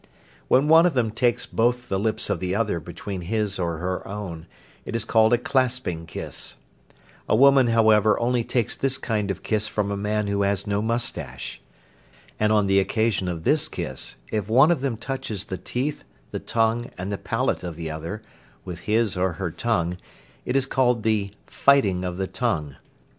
When one of them takes both the lips of the other between his or her own, it is called "a clasping kiss." A woman, however, only takes this kind of kiss from a man who has no moustache. And on the occasion of this kiss, if one of them touches the teeth, the tongue, and the palate of the other, with his or her tongue, it is called the "fighting of the tongue."